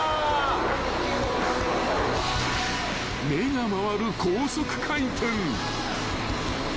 ［目が回る高速回転］